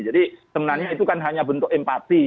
jadi sebenarnya itu kan hanya bentuk empati